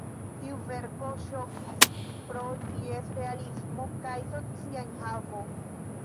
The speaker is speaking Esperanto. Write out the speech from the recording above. Tiu verko ŝokis pro ties realismo kaj socia enhavo.